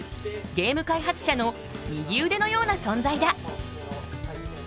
ゲーム開発者の右腕のような存在だ。